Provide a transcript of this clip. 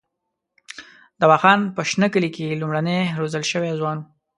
دوا خان په شنه کلي کې لومړنی روزل شوی ځوان وو.